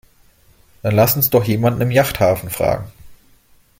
Dann lass uns doch jemanden im Yachthafen fragen.